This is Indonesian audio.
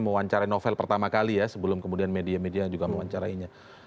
mewawancarai novel pertama kali ya sebelum kemudian media media yang juga mewawancarainya